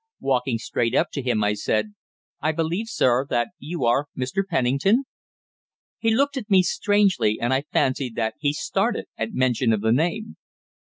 Walking straight up to him, I said "I believe, sir, that you are Mr. Pennington?" He looked at me strangely, and I fancied that he started at mention of the name.